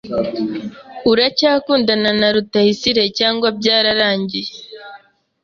Uracyakundana na Rutayisire cyangwa byararangiye?